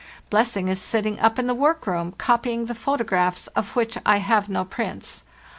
Blessing is sitting up in the work room, copying the photographs of which I have no prints.